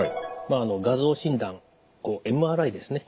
画像診断ＭＲＩですね。